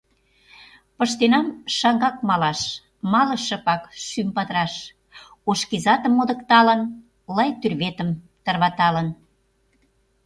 Пыштенам шаҥгак малаш, Мале шыпак, шӱм падыраш. Ош кизатым модыкталын. Лай тӱрветым тарваталын.